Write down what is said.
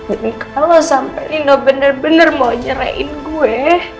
jadi kalau sampai nino bener bener mau nyerahin gue